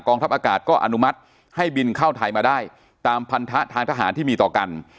ทัพอากาศก็อนุมัติให้บินเข้าไทยมาได้ตามพันธะทางทหารที่มีต่อกัน